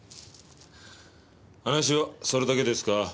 話はそれだけですか？